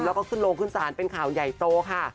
แล้วก็ขึ้นโรงขึ้นศาลเป็นข่าวใหญ่โตค่ะ